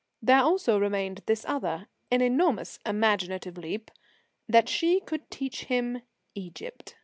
There also remained this other an enormous imaginative leap! that she could teach him "Egypt."